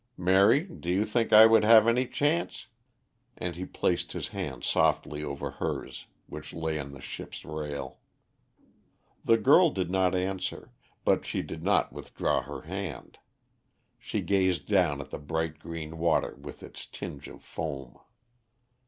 Mary, do you think I would have any chance?" and he placed his hand softly over hers, which lay on the ship's rail. The girl did not answer, but she did not withdraw her hand; she gazed down at the bright green water with its tinge of foam.